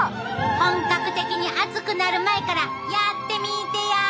本格的に暑くなる前からやってみてや！